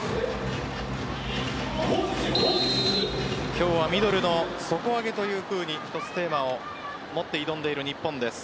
今日はミドルの底上げというふうに一つテーマを持って挑んでいる日本です。